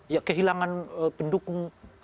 ya kehilangan pendukung